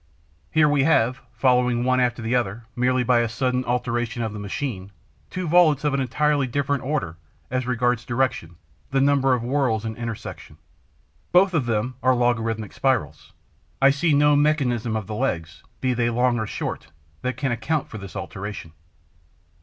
Here we have, following one after the other merely by a sudden alteration of the machine, two volutes of an entirely different order as regards direction, the number of whorls and intersection. Both of them are logarithmic spirals. I see no mechanism of the legs, be they long or short, that can account for this alteration.